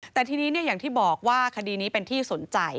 แต่ทีนี้อย่างที่บอกว่าคดีนี้เป็นที่สนใจ